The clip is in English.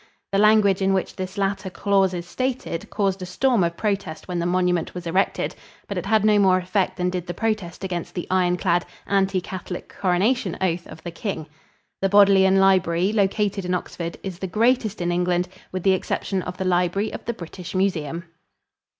The language in which this latter clause is stated caused a storm of protest when the monument was erected, but it had no more effect than did the protest against the iron clad, anti Catholic coronation oath of the king. The Bodleian Library, located in Oxford, is the greatest in England, with the exception of the library of the British Museum.